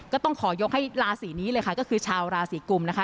ก็ต้องขอยกให้ราศีนี้เลยค่ะก็คือชาวราศีกุมนะคะ